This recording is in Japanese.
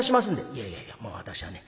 「いやいやいやもう私はね